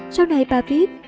sau này bà viết